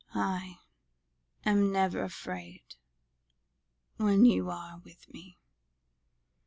"I am never afraid when you are with me."